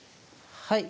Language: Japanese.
はい。